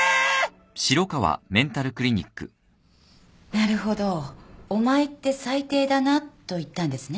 なるほど「お前って最低だな」と言ったんですね？